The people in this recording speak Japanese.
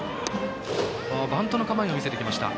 バントの構えを見せました。